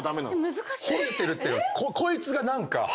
褒めてるっていうのはこいつが何か。